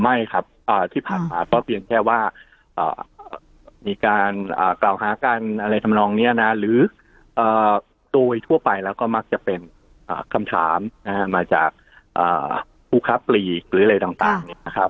ไม่ครับที่ผ่านมาก็เพียงแค่ว่ามีการกล่าวหากันอะไรทำนองนี้นะหรือโดยทั่วไปแล้วก็มักจะเป็นคำถามมาจากผู้ค้าปลีกหรืออะไรต่างเนี่ยนะครับ